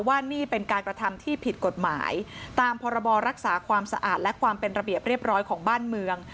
ว่านี่เป็นการกระทำที่ผิดกฎหมายตามพรบรักษาความสะอาดและความเป็นระเบียบเรียบร้อยของบ้านเมือง